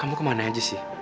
kamu kemana aja sih